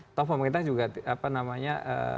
atau pemerintah juga apa namanya